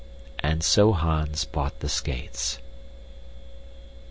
And so Hans bought the skates.